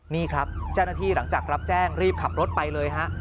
นี่ครับเจ้าหน้าที่หลังจากรับแจ้งรีบขับรถไปเลยฮะ